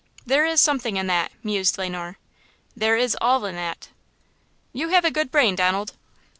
"There is something in that," mused Le Noir. "There is all in that!" "You have a good brain, Donald."